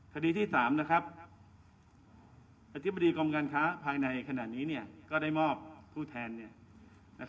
คดีที่๓อธิบดีกรมการค้าภายในขณะนี้ก็ได้มอบผู้แทน